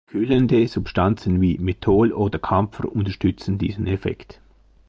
Kühlende Substanzen wie Menthol oder Kampfer unterstützen diesen Effekt.